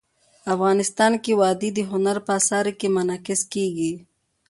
افغانستان کې وادي د هنر په اثار کې منعکس کېږي.